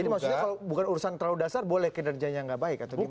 jadi maksudnya kalau bukan urusan terlalu dasar boleh kinerjanya nggak baik atau gimana